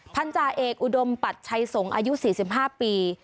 พันธาเอกอุดมปัจฉัยสงฆ์อายุสี่สิบห้าปี